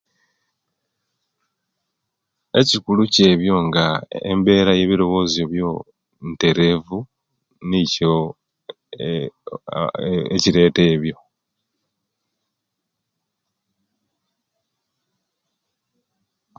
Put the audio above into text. Ekikulu kyebyo nga embera yebirobozo byo nterevu nikyo e a a a ekireta ebyo